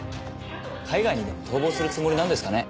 海外にでも逃亡するつもりなんですかね？